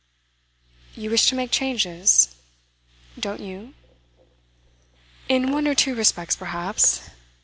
'You wish to make changes?' 'Don't you?' 'In one or two respects, perhaps.